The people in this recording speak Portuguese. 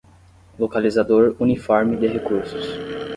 Localizador uniforme de recursos